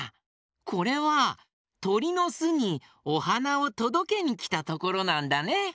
これはとりのすにおはなをとどけにきたところなんだね。